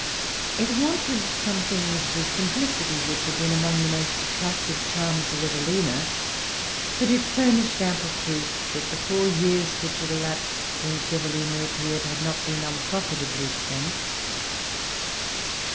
It wanted something of the simplicity which had been among the most attractive charms of Evelina; but it furnished ample proof that the four years which had elapsed since Evelina appeared had not been unprofitably spent.